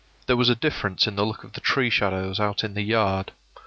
There was a difference in the look of the tree shadows out in the yard.